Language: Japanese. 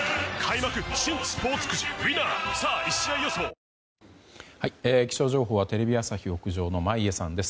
東京海上日動気象情報はテレビ朝日屋上の眞家さんです。